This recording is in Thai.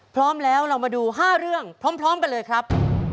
พร้อมแล้วเรามาดู๕เรื่องพร้อมกันเลยครับ